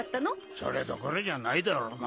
それどころじゃないだろうな。